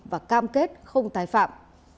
nam kết không tài phạm